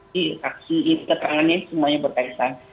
di keterangan ini semuanya berkaitan